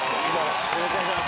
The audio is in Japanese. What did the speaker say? よろしくお願いします。